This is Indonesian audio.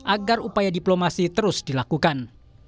agar upaya diplomasi terus dilakukan